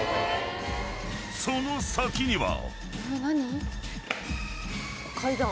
［その先には］